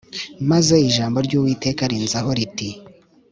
Maze ijambo ry’Uwiteka rinzaho riti